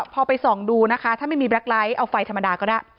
พอไปส่องดูนะคะถ้าไม่มีแล็กไลท์เอาไฟธรรมดาก็ได้